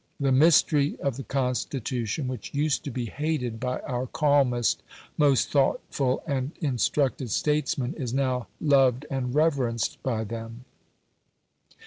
The mystery of the Constitution, which used to be hated by our calmest, most thoughtful, and instructed statesmen, is now loved and reverenced by them.